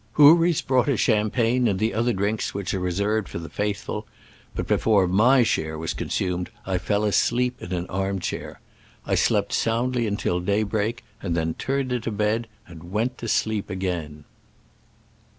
Houris brought us champagne and the other drinks which are reserved for the faithful, but before my share was consumed I fell asleep in an arm chair. 1 slept soundly until daybreak, and then turned into bed and went to sleep again.